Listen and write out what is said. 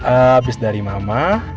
abis dari mama